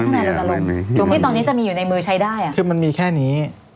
นายรณรงค์ที่ตอนนี้จะมีอยู่ในมือใช้ได้อ่ะคือมันมีแค่นี้